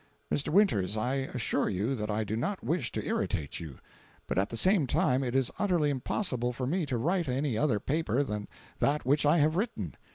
"Mr. Winters, I assure you that I do not wish to irritate you, but, at the same time, it is utterly impossible for me to write any other paper than that which I have written.